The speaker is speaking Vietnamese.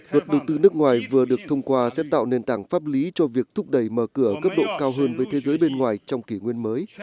luật đầu tư nước ngoài vừa được thông qua sẽ tạo nền tảng pháp lý cho việc thúc đẩy mở cửa cấp độ cao hơn với thế giới bên ngoài trong kỷ nguyên mới